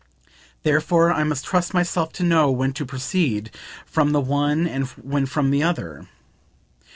Therefore I must trust myself to know when to proceed from the one and when from the other.